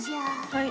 はい。